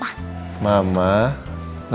lagi pergi sebentar sama andin ya